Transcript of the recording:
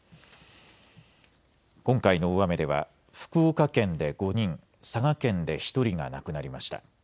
今回の大雨では福岡県で５人、佐賀県で１人が亡くなりました。